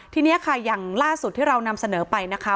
ทีนี้ค่ะอย่างล่าสุดที่เรานำเสนอไปนะคะ